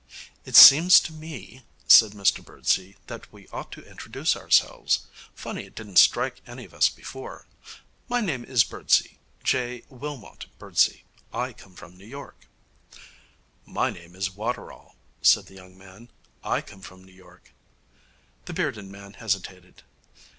'It seems to me,' said Mr Birdsey, 'that we ought to introduce ourselves. Funny it didn't strike any of us before. My name is Birdsey, J. Wilmot Birdsey. I come from New York.' 'My name is Waterall,' said the young man. 'I come from New York.' The bearded man hesitated.